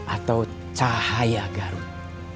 atau cahaya garut